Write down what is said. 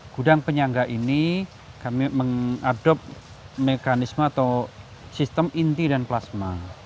gudang penyangga ini kami mengadopt mekanisme atau sistem inti dan plasma